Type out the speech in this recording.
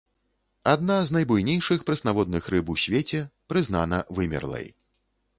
Адна з найбуйнейшых прэснаводных рыб у свеце, прызнана вымерлай.